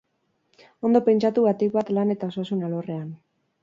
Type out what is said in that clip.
Ondo pentsatu batik bat lan eta osasun alorrean.